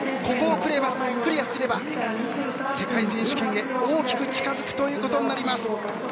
ここをクリアすれば世界選手権へ大きく近づくということになります。